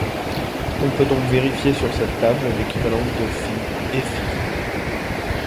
On peut donc vérifier sur cette table l'équivalence de φ et φ.